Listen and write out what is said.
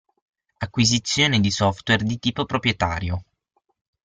Acquisizione di software di tipo proprietario.